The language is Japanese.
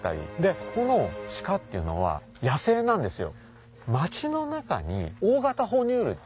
ここの鹿っていうのは野生なんですよ。